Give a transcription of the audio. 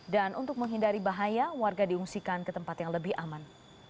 dan untuk menghindari bahaya warga diungsikan ke tempat yang lebih aman